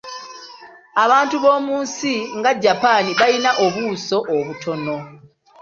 Abantu b'omu nsi nga Japan bayina obuuso obutono.